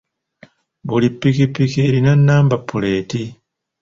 Buli ppikipiki erina namba puleeti.